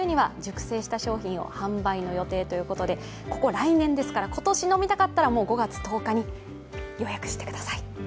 来年ですから、今年飲みたかったら５月１０日に予約してください。